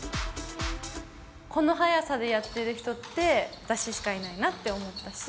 この速さでやってる人って、私しかいないなって思ったし。